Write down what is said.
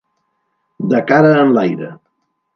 De cara enlaire.